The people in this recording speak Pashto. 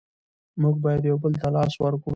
موږ بايد يو بل ته لاس ورکړو.